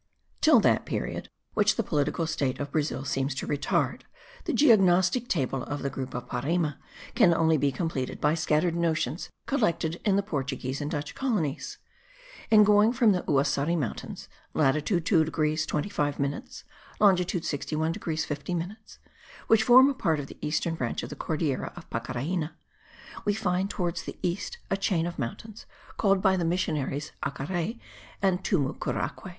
Till that period, which the political state of Brazil seems to retard, the geognostic table of the group of Parime can only be completed by scattered notions collected in the Portuguese and Dutch colonies. In going from the Uassari mountains (latitude 2 degrees 25 minutes, longitude 61 degrees 50 minutes) which form a part of the eastern branch of the Cordillera of Pacaraina, we find towards the east a chain of mountains, called by the missionaries Acaray and Tumucuraque.